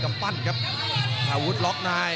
กำปั้นขวาสายวัดระยะไปเรื่อย